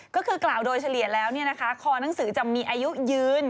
ก็คือกล่าวโดยเฉลี่ยแล้วคอหนังสือจะมีอายุยืน